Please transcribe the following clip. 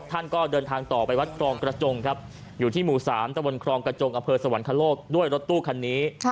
ท่านก็เดินทางต่อไปวัดครองกระจงครับอยู่ที่หมู่๓ตะบนครองกระจงอำเภอสวรรคโลกด้วยรถตู้คันนี้